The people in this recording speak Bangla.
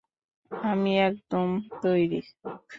আমি একদম তৈরি।